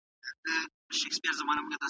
ازادي بې مسؤليته نه وي.